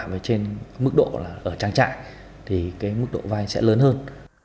và trên mức độ là ở trang trại thì cái mức độ vay sẽ lớn hơn